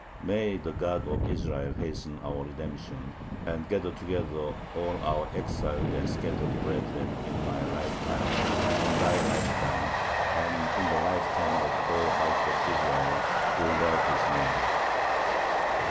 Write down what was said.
May the God of Israel hasten our redemption and gather together all our exiled and scattered [brethren] in my lifetime, in thy lifetime, and in the lifetime of the whole house of Israel, who love His name.